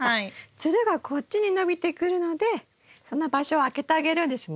つるがこっちに伸びてくるのでその場所を空けてあげるんですね。